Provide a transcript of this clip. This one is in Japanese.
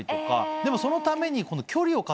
でもそのために。